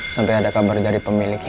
sampai ada kabar dari pemiliknya